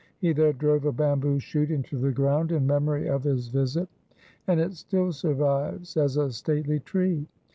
He there drove a bamboo shoot into the ground in memory of his visit ; and it still survives as a stately tree.